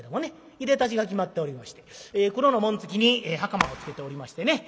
いでたちが決まっておりまして黒の紋付きに袴を着けておりましてね